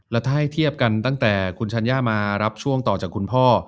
แล้วถ้าให้เทียบกันตั้งแต่คุณชัญญามารับช่วงต่อจากคุณพ่อ